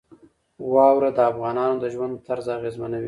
واوره د افغانانو د ژوند طرز اغېزمنوي.